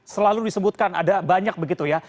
selalu disebutkan ada banyak begitu ya